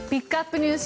ＮＥＷＳ